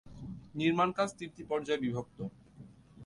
নির্মাণকাজ তিনটি পর্যায়ে বিভক্ত।